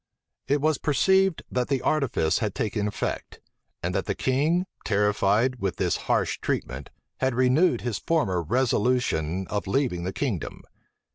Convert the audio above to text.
It was perceived, that the artifice had taken effect; and that the king, terrified with this harsh treatment, had renewed his former resolution of leaving the kingdom.